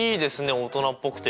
大人っぽくて。